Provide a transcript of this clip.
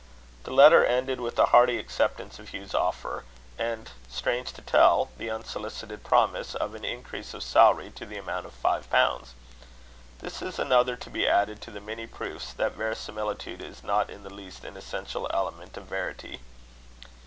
The letter ended with a hearty acceptance of Hugh's offer, and, strange to tell, the unsolicited promise of an increase of salary to the amount of five pounds. This is another to be added to the many proofs that verisimilitude is not in the least an essential element of verity.